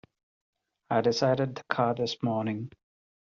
I deiced the car this morning.